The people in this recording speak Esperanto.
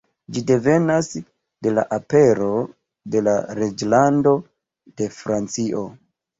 Ĝi devenas de la apero de la reĝlando de Francio.